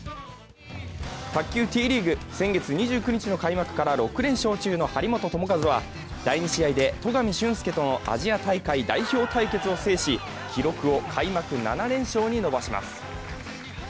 卓球Ｔリーグ、先月２９日の開幕から６連勝中の張本智和は第２試合で戸上隼輔とのアジア大会代表対決を制し記録を開幕７連勝に伸ばします。